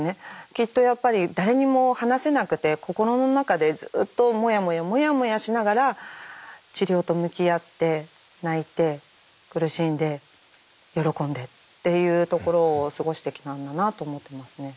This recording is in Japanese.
きっとやっぱり誰にも話せなくて心の中でずっとモヤモヤモヤモヤしながら治療と向き合って泣いて苦しんで喜んでっていうところを過ごしてきたんだなと思ってますね。